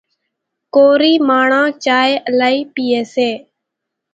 ڪورِي ماڻۿان چائيَ الائِي پيئيَ سي۔